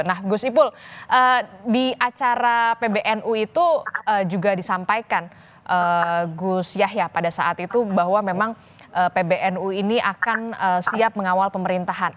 nah gus ipul di acara pbnu itu juga disampaikan gus yahya pada saat itu bahwa memang pbnu ini akan siap mengawal pemerintahan